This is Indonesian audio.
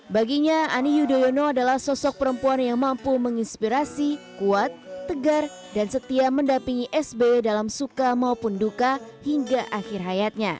baginya ani yudhoyono adalah sosok perempuan yang mampu menginspirasi kuat tegar dan setia mendapingi sby dalam suka maupun duka hingga akhir hayatnya